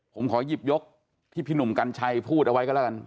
ผมขอหยิบยกที่พี่หนุ่มกัญชัยพูดเอาไว้ก็แล้วกัน